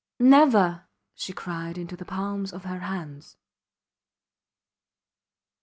Never! she cried into the palms of her hands.